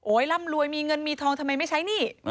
ร่ำรวยมีเงินมีทองทำไมไม่ใช้หนี้